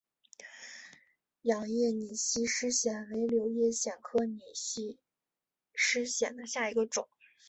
仰叶拟细湿藓为柳叶藓科拟细湿藓下的一个种。